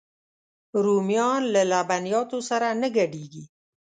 رومیان له لبنیاتو سره نه ګډېږي